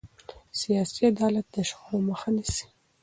سیاسي عدالت د شخړو مخه نیسي